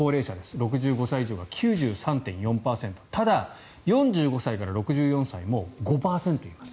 ６５歳以上が９３．４％ただ、４５歳から６４歳も５％います。